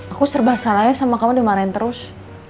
aku serba salahnya sama kawan dimarahin terus